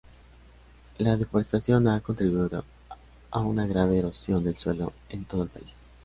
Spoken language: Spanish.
La deforestación ha contribuido a una grave erosión del suelo en todo el país.